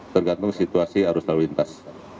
tergantung situasi arus lolitas